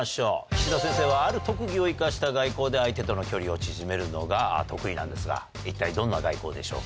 岸田先生はある特技を生かした外交で相手との距離を縮めるのが得意なんですが一体どんな外交でしょうか？